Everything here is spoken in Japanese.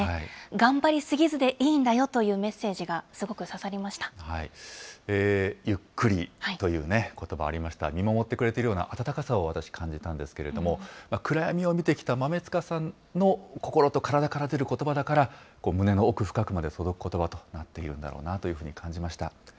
頑張り過ぎずでいいんだよというメッセージが、すごく刺さりましゆっくりということばありました、見守ってくれているような温かさを私、感じたんですけれども、暗闇を見てきた豆塚さんの心と体から出ることばだから、胸の奥深くまで届くことばとなっているんだろうなというふうに感じました。